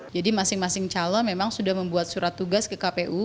jadi masing masing calon memang sudah membuat surat tugas ke kpu